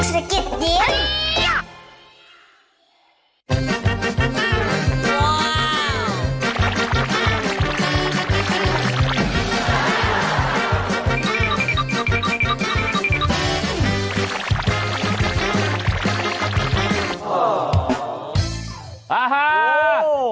อาฮะโห